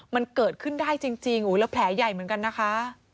มันเกิดขึ้นได้จริงแล้วแผลใหญ่เหมือนกันนะคะ